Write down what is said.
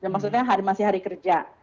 maksudnya masih hari kerja